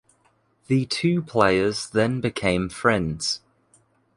The two players then became friends.